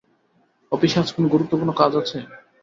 অফিসে আজ কোনো গুরুত্বপূর্ণ কাজ আছে?